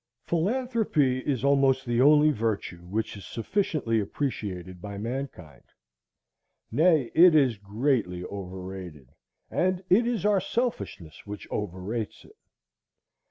Philanthropy is almost the only virtue which is sufficiently appreciated by mankind. Nay, it is greatly overrated; and it is our selfishness which overrates it.